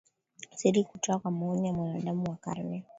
siri kutoka kwa maoni ya mwanadamu kwa karne